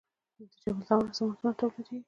د جبل السراج سمنټ څومره تولیدیږي؟